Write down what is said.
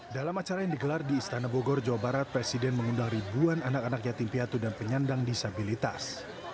dalam acara yang digelar di istana bogor jawa barat presiden mengundang ribuan anak anak yatim piatu dan penyandang disabilitas